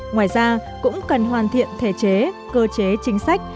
ngoài ra cũng cần hoàn thiện thể chế cơ chế chính sách